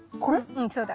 うんそうだ。